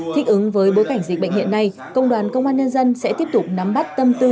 thích ứng với bối cảnh dịch bệnh hiện nay công đoàn công an nhân dân sẽ tiếp tục nắm bắt tâm tư